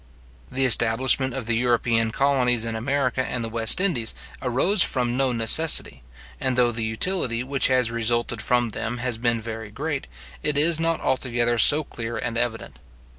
The establishment of the European colonies in America and the West Indies arose from no necessity; and though the utility which has resulted from them has been very great, it is not altogether so clear and evident.